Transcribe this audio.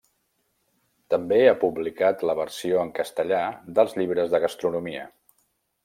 També ha publicat la versió en castellà dels llibres de gastronomia.